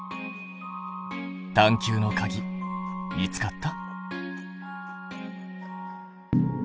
探究のかぎ見つかった？